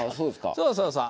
そうそうそう。